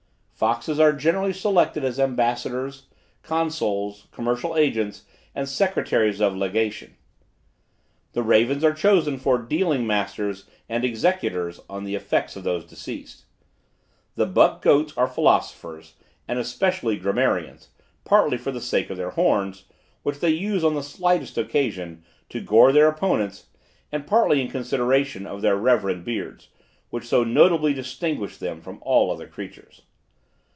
Foxes are generally selected as ambassadors, consuls, commercial agents, and secretaries of legation. The ravens are chosen for dealing masters and executors on the effects of those deceased. The buck goats are philosophers, and especially grammarians, partly for the sake of their horns, which they use on the slightest occasion, to gore their opponents, and partly in consideration of their reverend beards, which so notably distinguish them from all other creatures.